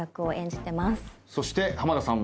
そして濱田さんは？